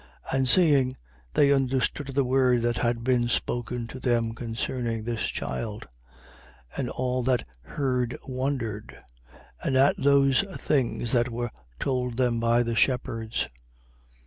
And seeing, they understood of the word that had been spoken to them concerning this child. 2:18. And all that heard wondered: and at those things that were told them by the shepherds.